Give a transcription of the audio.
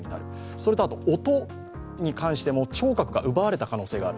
それと音に関しても聴覚が奪われた可能性がある。